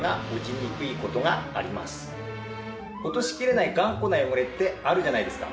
なので落としきれない頑固な汚れってあるじゃないですか。